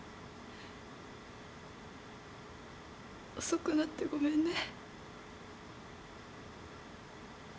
遅くなってごめんね。